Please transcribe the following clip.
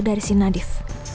dari si nadif